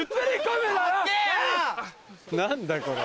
何だこれ。